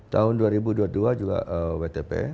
tahun dua ribu dua puluh dua juga wtp